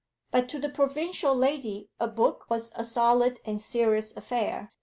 But to the provincial lady a book was a solid and serious affair.